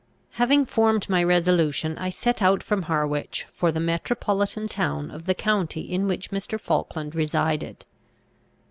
Having formed my resolution, I set out from Harwich, for the metropolitan town of the county in which Mr. Falkland resided.